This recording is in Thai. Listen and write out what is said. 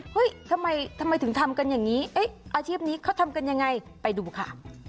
เห้ยทำไมทำไมถึงทำกันอย่างงี้เอ๊ะอาชีพนี้เขาทำกันยังไงไปดูค่ะ